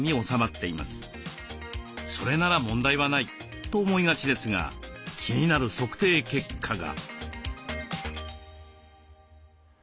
それなら問題はないと思いがちですが気になる測定結果が。